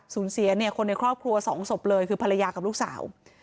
สูญเสียคนในครอบครัวสองศพเลยคือภรรยากับลูกสาว